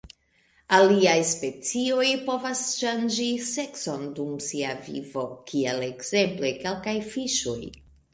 Aliaj specioj povas ŝanĝi sekson dum sia vivo, kiel ekzemple kelkaj fiŝoj.